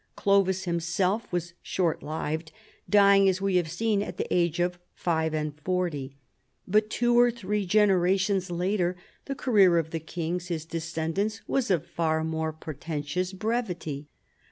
Clovis himself was short lived, dying, as we have seen, at the age of five and forty. But two or three generations later the career of the kings, his descendants, Avas of far more portentous brevity.